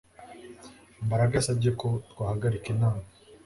Mbaraga yasabye ko twahagarika inama